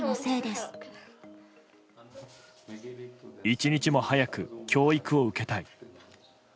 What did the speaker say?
一日も早く教育を受けたい。